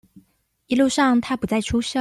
一路上他不再出聲